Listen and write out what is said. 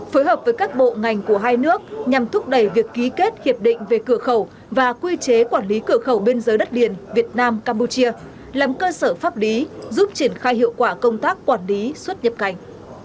phối hợp với các bộ ngành của hai nước nhằm thúc đẩy việc ký kết hiệp định về cửa khẩu và quy chế quản lý cửa khẩu biên giới đất liền việt nam campuchia làm cơ sở pháp lý giúp triển khai hiệu quả công tác quản lý xuất nhập cảnh